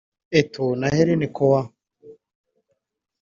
Eto’o na Helene Koah